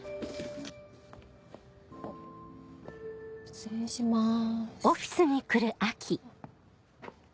失礼します。